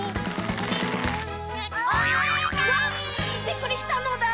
びっくりしたのだ！